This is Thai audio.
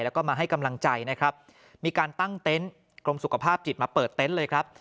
แล้วก็มาให้กำลังใจนะครับมีการตั้งเต็นต์กรมสุขภาพจิตมาเปิดเต็นต์เลยครับ